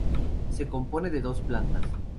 Se compone de dos plantas.